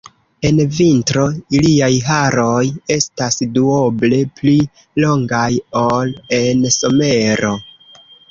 En vintro iliaj haroj estas duoble pli longaj ol en somero.